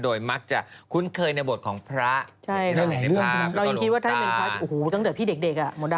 โดยมักจะคุ้นเคยในบทของพระและลูกตา